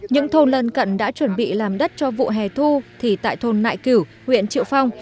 những thôn lân cận đã chuẩn bị làm đất cho vụ hè thu thì tại thôn nại cửu huyện triệu phong